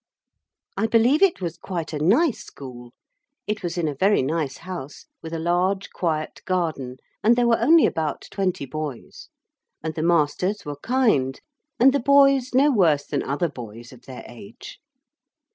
I believe it was quite a nice school. It was in a very nice house with a large quiet garden, and there were only about twenty boys. And the masters were kind, and the boys no worse than other boys of their age.